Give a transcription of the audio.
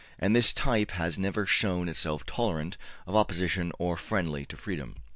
And this type has never shown itself tolerant of opposition or friendly to freedom.